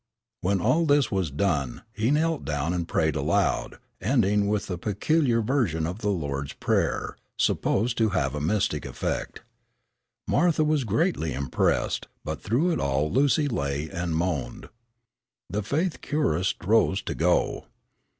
When all this was done he knelt down and prayed aloud, ending with a peculiar version of the Lord's prayer, supposed to have mystic effect. Martha was greatly impressed, but through it all Lucy lay and moaned. The faith curist rose to go.